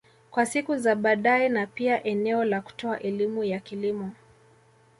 Kwa siku za badae na pia eneo la kutoa elimu ya kilimo